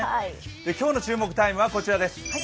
今日の注目「ＴＩＭＥ，」はこちらです。